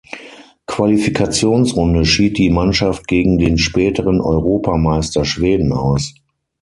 Qualifikationsrunde schied die Mannschaft gegen den späteren Europameister Schweden aus.